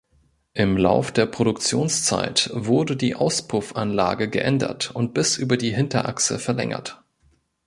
Im Lauf der Produktionszeit wurde die Auspuffanlage geändert und bis über die Hinterachse verlängert.